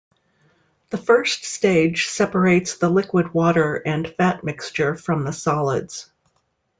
The first stage separates the liquid water and fat mixture from the solids.